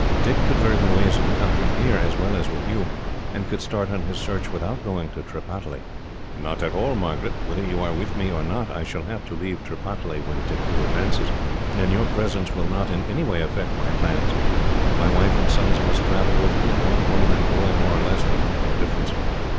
Dick could learn the ways of the country here, as well as with you, and could start on his search without going to Tripataly." "Not at all, Margaret. Whether you are with me or not, I shall have to leave Tripataly when Tippoo advances, and your presence will not in any way affect my plans. My wife and sons must travel with me, and one woman and boy, more or less, will make no difference.